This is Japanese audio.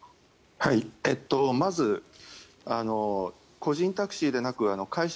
まず個人タクシーでなく会社